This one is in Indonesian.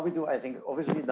bagaimana kita melakukannya